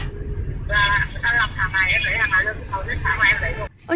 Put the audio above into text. ờ ở đắk lắk hàng này em lấy hàng này lấy hàng này em lấy hàng này em lấy hàng này